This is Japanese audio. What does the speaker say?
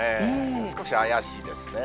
少し怪しいですね。